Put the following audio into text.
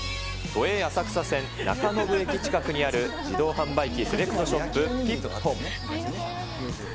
都営浅草線中延駅近くにある自動販売機セレクトショップ、ピッポン。